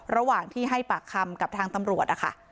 ระหว่างที่ให้ปากคำกับทางตำรวจนะคะ